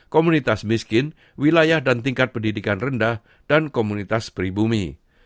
komunitas miskin wilayah dan tingkat pendidikan rendah dan komunitas pribumi